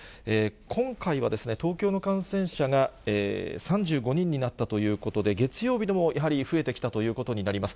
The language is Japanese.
今回は、東京の感染者が３５人になったということで、月曜日でもやはり増えてきたということになります。